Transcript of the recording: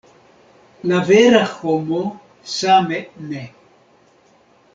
La vera homo same ne.